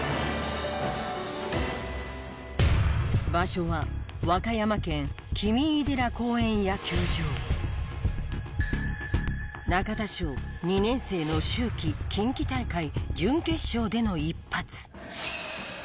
場所は中田翔２年生の秋季近畿大会準決勝での一発。